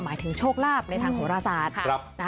หมายถึงโชคลาภในทางโหรศาสตร์